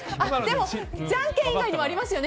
じゃんけん以外にもありますよね。